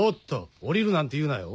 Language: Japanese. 降りるなんて言うなよ。